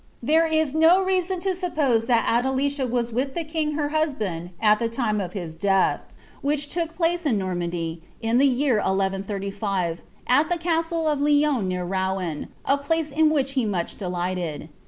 * There is no reason to suppose that Adelicia was with the king bci husband at the time of his deatl), wliich took place in Normandy, in the year 1 1 35, at the Castle of Lyons near Houen, a place in which be nmeh delighted.